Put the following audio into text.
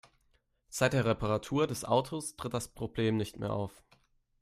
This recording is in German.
Seit der Reparatur des Autos tritt das Problem nicht mehr auf.